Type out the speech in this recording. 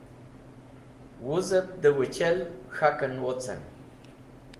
Wuzẽb dẽ wẽchel k̃hakẽn wocẽm.